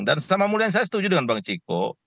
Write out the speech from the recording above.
dan sama mulianya saya setuju dengan bang ciko